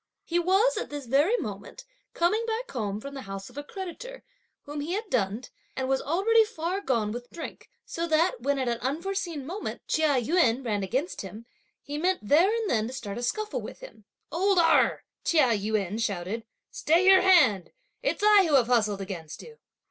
He was, at this very moment, coming back home from the house of a creditor, whom he had dunned, and was already far gone with drink, so that when, at an unforeseen moment, Chia Yün ran against him, he meant there and then to start a scuffle with him. "Old Erh!" Chia Yün shouted, "stay your hand; it's I who have hustled against you."